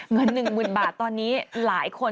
เงิน๑๐๐๐บาทตอนนี้หลายคน